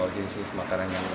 jenis jenis makanan yang